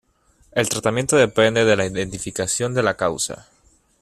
El tratamiento depende de la identificación de la causa.